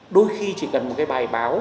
đôi khi chỉ cần một cái bài báo